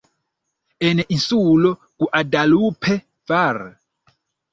En Insulo Guadalupe, var.